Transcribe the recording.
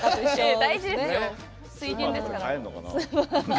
大事ですよ、水源ですから。